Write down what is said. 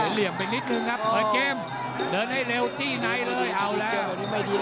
เสียเหลี่ยมไปนิดนึงครับเพิ่งแจ้มเดินให้เร็วจี้ไน่เลยเอาแล้ว